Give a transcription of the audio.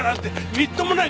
みっともなくない！